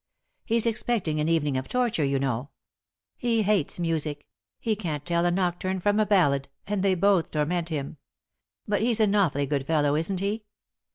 "He's expecting an evening of torture, you know. He hates music. He can't tell a nocturne from a ballade and they both torment him. But he's an awfully good fellow, isn't he?